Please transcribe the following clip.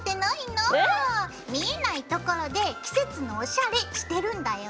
見えないところで季節のおしゃれしてるんだよ。